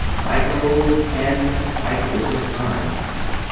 cycles and cycles of time."